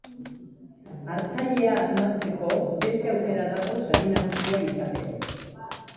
Hartzailea asmatzeko beste aukera dago sari nagusia izateko.